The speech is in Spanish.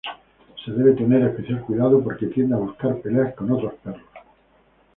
Se debe tener especial cuidado porque tiende a buscar peleas con otros perros.